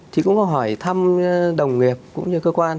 thì cũng có hỏi thăm đồng nghiệp cũng như cơ quan